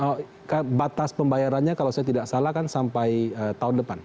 nah batas pembayarannya kalau saya tidak salah kan sampai tahun depan